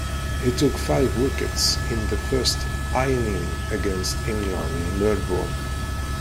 He took five wickets in the first innings against England in Melbourne.